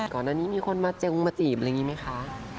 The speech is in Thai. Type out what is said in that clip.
ก่อนหน้านี้มีคนมาเจงมาจีบอะไรอย่างนี้ไหมคะ